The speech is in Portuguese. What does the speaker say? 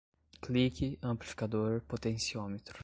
clique, amplificador, potenciômetro